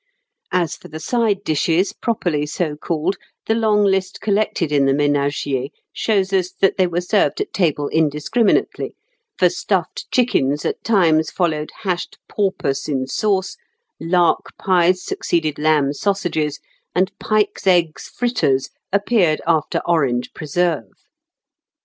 As for the side dishes, properly so called, the long list collected in the "Ménagier" shows us that they were served at table indiscriminately, for stuffed chickens at times followed hashed porpoise in sauce, lark pies succeeded lamb sausages, and pike's eggs fritters appeared after orange preserve.